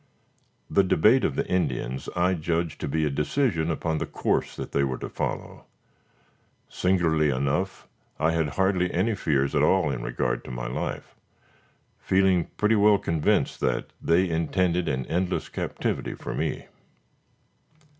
The debate of the Indians I judged to be a decision upon the course they were to follow. Singularly enough, I had hardly any fears at all in regard to my life, feeling pretty well convinced that they intended an endless captivity for me.